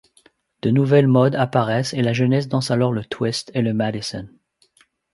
De nouvelles modes apparaissent et la jeunesse danse alors le twist et le madison.